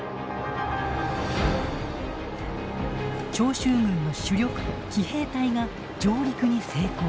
長州軍の主力奇兵隊が上陸に成功。